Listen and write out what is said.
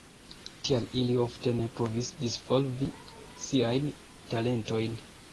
Tial ili ofte ne povis disvolvi siajn talentojn.